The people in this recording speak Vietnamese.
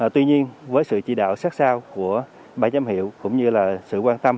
tuy nhiên với sự chỉ đạo sát sao của ban giám hiệu cũng như sự quan tâm phối hợp của các cơ quan chức năng